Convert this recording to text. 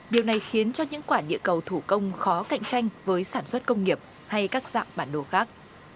điều này khiến cho những quả địa cầu thủ công khó cạnh tranh với sản xuất công nghiệp hay các dạng bản đồ khác